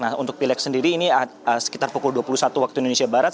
nah untuk pilek sendiri ini sekitar pukul dua puluh satu waktu indonesia barat